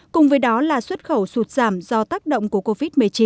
cùng với đó là xuất khẩu sụt giảm do tác động của covid một mươi chín